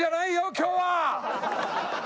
今日は。